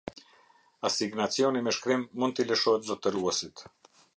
Asignacioni me shkrim mund t'i lëshohet zotëruesit.